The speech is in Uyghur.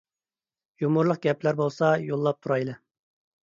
يۇمۇرلۇق گەپلەر بولسا يوللاپ تۇرايلى.